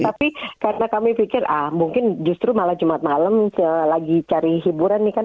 tapi karena kami pikir ah mungkin justru malah jumat malam selagi cari hiburan nih kan